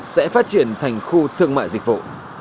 sẽ phát triển thành khu thương mại dịch vụ